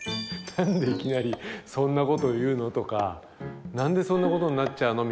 「何でいきなりそんなこと言うの？」とか「何でそんなことになっちゃうの？」